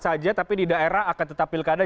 saja tapi di daerah akan tetap pilkada